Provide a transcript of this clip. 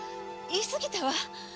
言いすぎたわ。